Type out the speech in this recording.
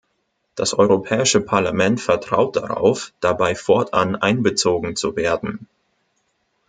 Das Europäische Parlament vertraut darauf, dabei fortan einbezogen zu werden.